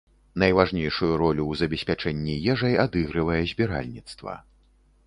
Найважнейшую ролю ў забеспячэнні ежай адыгрывае збіральніцтва.